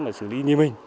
để xử lý như mình